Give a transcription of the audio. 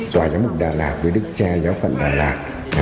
tòa giám mục đà lạt với đức tre giáo phận đà lạt